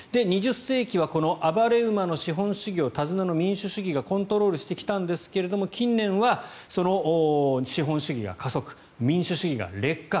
２０世紀はこの暴れ馬の資本主義を手綱の民主主義がコントロールしてきたんですが近年は資本主義が加速民主主義が劣化。